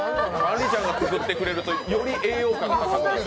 あんりちゃんが作ってくれるとより栄養感が高くなる。